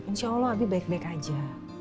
insya allah abi baik baik aja